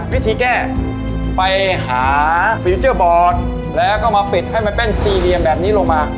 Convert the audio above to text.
วิธีแก้ไปหาฟิลเจอร์บอร์ดแล้วก็มาปิดให้มันเป็นสี่เหลี่ยมแบบนี้ลงมา